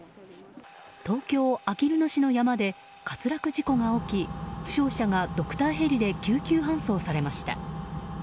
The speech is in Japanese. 東京・あきる野市の山で滑落事故が起き負傷者がドクターヘリで緊急搬送されました。